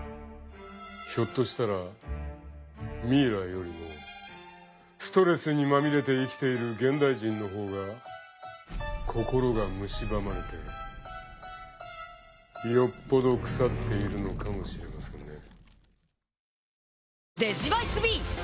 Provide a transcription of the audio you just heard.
ひょっとしたらミイラよりもストレスにまみれて生きている現代人の方が心がむしばまれてよっぽど腐っているのかもしれませんね。